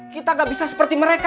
kita gak bisa seperti mereka